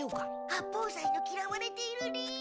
八方斎のきらわれている理由。